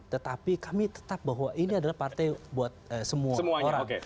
tetapi kami tetap bahwa ini adalah partai buat semua orang